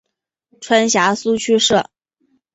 川陕苏区设。